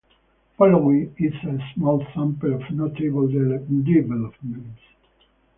Following is a small sample of notable developments.